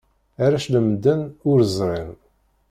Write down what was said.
Arrac lemmden ur ẓrin.